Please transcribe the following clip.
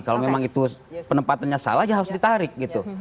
kalau memang itu penempatannya salah ya harus ditarik gitu